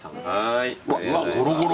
うわゴロゴロ。